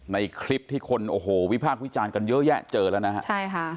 ในคลิปที่คนโอ้โหวิพากษ์วิจารณ์กันเยอะแยะเจอแล้วนะฮะใช่ค่ะ